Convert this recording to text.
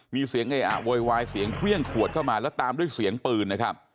มีเสียงเออะโวยวายเสียงเครื่องขวดเข้ามาแล้วตามด้วยเสียงปืนนะครับ